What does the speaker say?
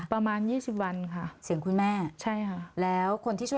ประมาณ๒๐วันค่ะเสียงคุณแม่ใช่ค่ะ